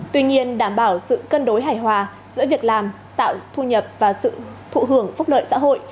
tuy nhiên đảm bảo sự cân đối hài hòa giữa việc làm tạo thu nhập và sự thụ hưởng phúc lợi xã hội